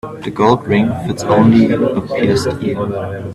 The gold ring fits only a pierced ear.